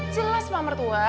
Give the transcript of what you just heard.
jelas pak mertua